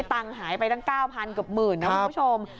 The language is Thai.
ตังหายไปตั้ง๙๐๐๐กับ๑๐๐๐๐นะคุณผู้ชม